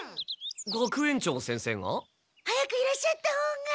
学園長先生が？早くいらっしゃったほうが。